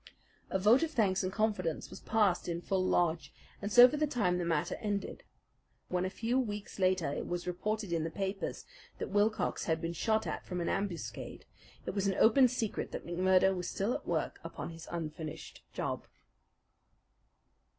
A vote of thanks and confidence was passed in full lodge, and so for the time the matter ended. When a few weeks later it was reported in the papers that Wilcox had been shot at from an ambuscade, it was an open secret that McMurdo was still at work upon his unfinished job.